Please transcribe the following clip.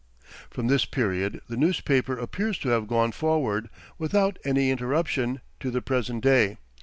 From this period the newspaper appears to have gone forward, without any interruption, to the present day.